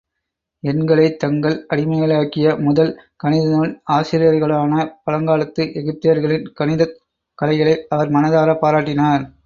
எண்களைத் தங்கள் அடிமைகளாக்கிய முதல் கணிதநூல் ஆசிரியர்களான பழங்காலத்து எகிப்தியர்களின் கணிதக் கலைகளை அவர் மனதாரப் பாராட்டினார்.